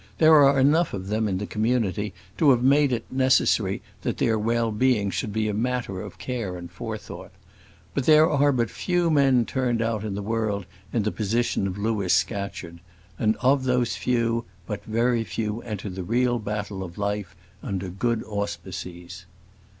There are enough of them in the community to have made it necessary that their well being should be a matter of care and forethought. But there are but few men turned out in the world in the position of Louis Scatcherd; and, of those few, but very few enter the real battle of life under good auspices.